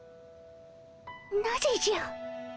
なぜじゃ。